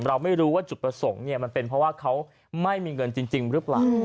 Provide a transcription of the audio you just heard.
เราไม่รู้ว่าจุดประสงค์มันเป็นเพราะว่าเขาไม่มีเงินจริงหรือเปล่า